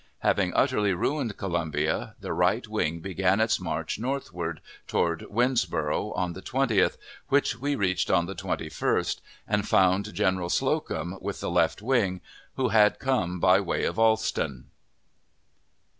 Having utterly ruined Columbia, the right wing began its march northward, toward Winnsboro', on the 20th, which we reached on the 21st, and found General Slocum, with the left wing, who had come by the way of Alston.